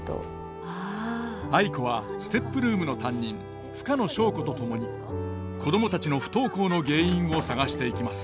藍子はＳＴＥＰルームの担任深野祥子と共に子供たちの不登校の原因を探していきます。